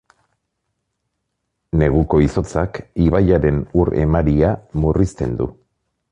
Neguko izotzak ibaiaren ur emaria murrizten du.